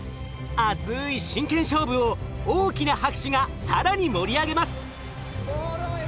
熱い真剣勝負を大きな拍手が更に盛り上げます。